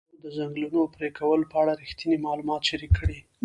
ازادي راډیو د د ځنګلونو پرېکول په اړه رښتیني معلومات شریک کړي.